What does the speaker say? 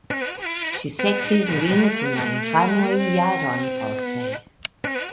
Ŝi sekvis lin kun la infanoj jaron poste.